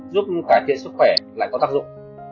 giúp cải thiện sức khỏe lại có tác dụng